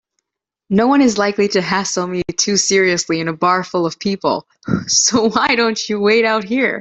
Noone is likely to hassle me too seriously in a bar full of people, so why don't you wait out here?